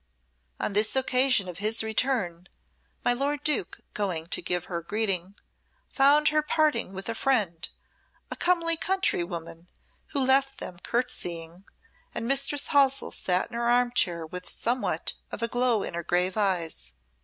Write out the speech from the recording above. On this occasion of his return, my lord Duke going to give her greeting, found her parting with a friend, a comely country woman who left them courtesying, and Mistress Halsell sate in her armchair with somewhat of a glow in her grave eyes.